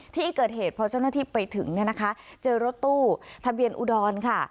ที่เกิดเหตุพอเจ้าหน้าที่ไปถึงเนี่ยนะคะเจอรถตู้ทะเบียนอุดรค่ะ